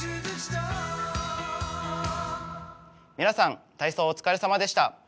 皆さん体操お疲れさまでした。